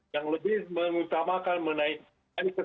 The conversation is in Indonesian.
yang lebih mengutamakan menaikkan